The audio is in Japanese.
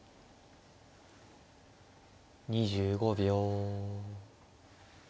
２５秒。